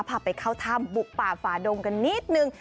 พาไปเข้าถ้ำบุกป่าฝาดงกันนิดนึง